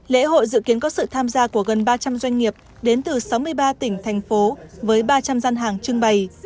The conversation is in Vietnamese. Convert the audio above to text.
lễ hội dự kiến có sự tham gia của gần ba trăm linh doanh nghiệp đến từ sáu mươi ba tỉnh thành phố với ba trăm linh gian hàng trưng bày